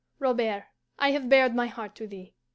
Robert, I have bared my heart to thee.